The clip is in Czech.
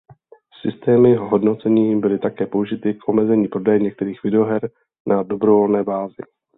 Systémy hodnocení byly také použity k omezení prodeje některých videoher na dobrovolné bázi.